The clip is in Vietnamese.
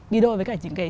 đi đôi với cả những cái